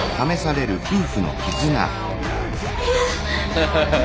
ハハハハ。